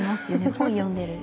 本読んでる。